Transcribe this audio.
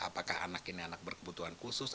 apakah anak ini anak berkebutuhan khusus